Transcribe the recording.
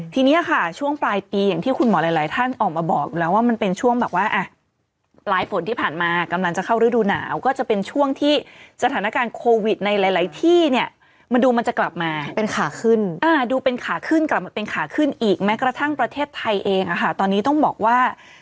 ทีเนี่ยค่ะช่วงปลายปีอย่างที่คุณหมอหลายท่านออกมาบอกแล้วว่ามันเป็นช่วงแบบว่า